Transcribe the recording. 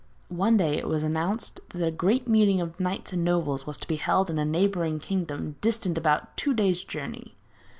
One day it was announced that a great meeting of knights and nobles was to be held in a neighbouring kingdom distant about two days' journey.